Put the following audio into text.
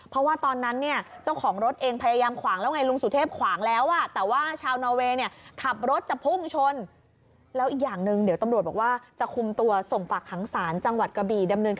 เพราะว่าตอนนั้นเจ้าของรถเองพยายามขวางแล้วยังไง